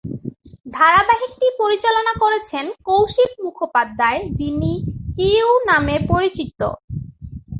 ধারাবাহিকটি পরিচালনা করেছেন কৌশিক মুখোপাধ্যায়, যিনি কিউ নামেও পরিচিত।